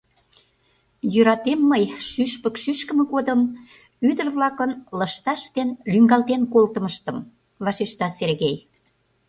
Йӧратем мый шӱшпык шӱшкымӧ годым ӱдыр-влакын лышташ дене лӱҥгалтен колтымыштым, — вашешта Сергей.